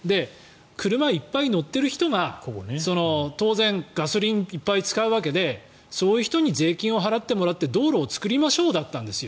車いっぱい乗っている人が当然、ガソリンをいっぱい使うわけでそういう人に税金を払ってもらって道路を作りましょうだったんです。